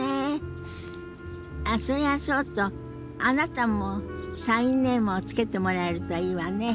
あっそれはそうとあなたもサインネームを付けてもらえるといいわね。